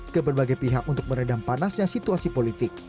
ke berbagai pihak untuk meredam panasnya situasi politik